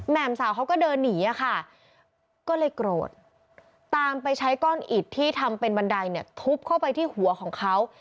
มสาวเขาก็เดินหนีอะค่ะก็เลยโกรธตามไปใช้ก้อนอิดที่ทำเป็นบันไดเนี่ยทุบเข้าไปที่หัวของเขา